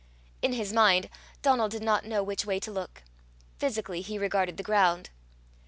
In his mind Donal did not know which way to look; physically, he regarded the ground.